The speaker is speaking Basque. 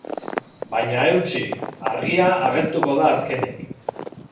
Baina eutsi, argia agertuko da azkenik.